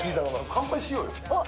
乾杯しようよ。